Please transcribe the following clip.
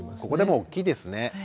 ここでも大きいですね。